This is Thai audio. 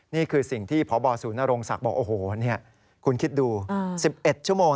นี่คือสิ่งที่พบศูนโรงศักดิ์บอกโอ้โหคุณคิดดู๑๑ชั่วโมง